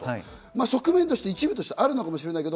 側面として、一部としてあるかもしれないけど